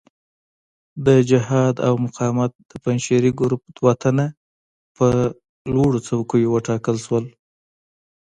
د جهاد او مقاومت د پنجشیري ګروپ دوه تنه په لوړو څوکیو وټاکل شول.